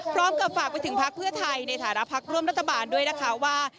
พร้อมกับฝากไปถึงพรรคเพื่อไทยในฐานะพรรคร่วมรัฐบาลด้วยนะคะว่า